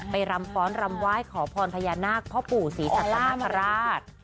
รำฟ้อนรำไหว้ขอพรพญานาคพ่อปู่ศรีสัตนคราช